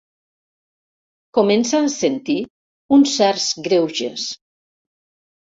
Comença a sentir uns certs greuges.